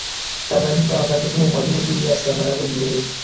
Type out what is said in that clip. Tanganyika wakati huo Mwalimu juliusi Kambarage Nyerere